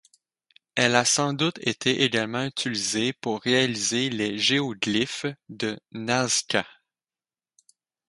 Elle a sans doute été également utilisée pour réaliser les géoglyphes de Nazca.